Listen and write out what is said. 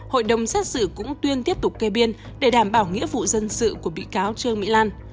hội đồng xét xử cũng tuyên tiếp tục kê biên để đảm bảo nghĩa vụ dân sự của bị cáo trương mỹ lan